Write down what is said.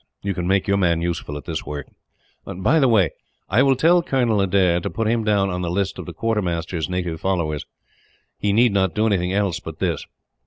You can make your man useful at this work. "By the way, I will tell Colonel Adair to put him down on the list of the quartermaster's native followers. He need not do anything else but this.